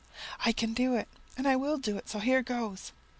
'I can do it, and I will do it so here goes!'